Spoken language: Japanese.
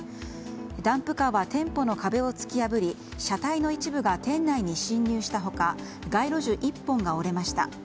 ダンプカーは店舗の壁を突き破り車体の一部が店内に進入した他街路樹１本が折れました。